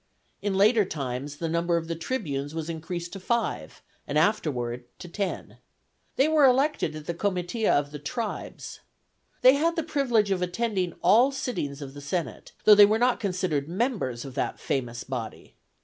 In later times, the number of the tribunes was increased to five, and afterward to ten. They were elected at the Comitia of the tribes. They had the privilege of attending all sittings of the senate, though they were not considered members of that famous body.